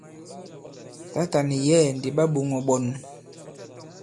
Tǎtà nì yɛ̌ɛ̀ ndi ɓa ɓōŋō ɓɔn.